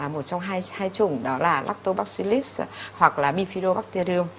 một trong hai chủng đó là lactobacillus hoặc là mifidobacterium